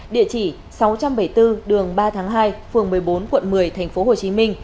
địa chỉ sáu trăm bảy mươi bốn đường ba tháng hai phường một mươi bốn quận một mươi tp hcm